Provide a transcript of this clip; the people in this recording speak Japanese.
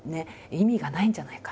意味がないんじゃないか。